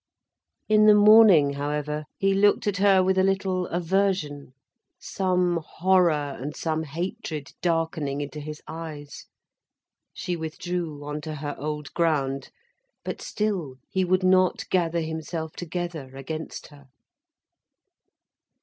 In the morning, however, he looked at her with a little aversion, some horror and some hatred darkening into his eyes. She withdrew on to her old ground. But still he would not gather himself together, against her.